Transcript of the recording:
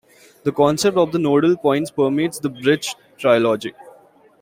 The concept of the nodal point permeates the Bridge trilogy.